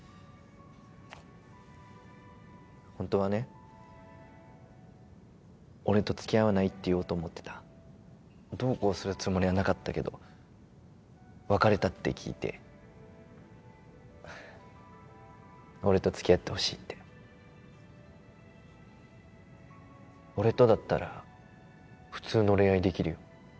ホントはね俺と付き合わない？って言おうと思ってたどうこうするつもりはなかったけど別れたって聞いて俺と付き合ってほしいって俺とだったら普通の恋愛できるよ